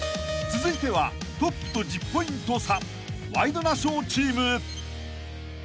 ［続いてはトップと１０ポイント差ワイドナショーチーム］